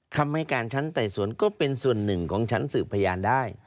คำให้การชั้นไต่สวนก็เป็นส่วนหนึ่งของชั้นสืบพยานได้